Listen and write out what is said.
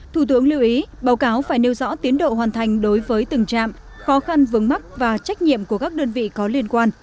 thủ tướng lưu ý báo cáo phải nêu rõ tiến độ hoàn thành đối với từng trạm khó khăn vướng mắt và trách nhiệm của các đơn vị có liên quan